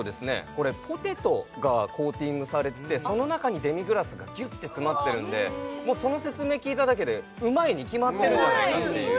これポテトがコーティングされててその中にデミグラスがギュッて詰まってるんでその説明聞いただけでうまいに決まってるじゃないかっていう